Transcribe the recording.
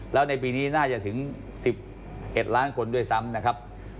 แล้วในปีนี้น่าจะถึง๑๑ล้านคนด้วยซ้ำนะครับ